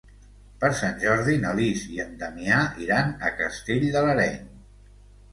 Per Sant Jordi na Lis i en Damià iran a Castell de l'Areny.